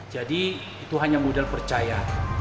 jadi itu hanya modal percaya